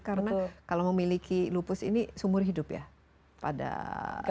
karena kalau memiliki lupus ini sumur hidup ya pada intinya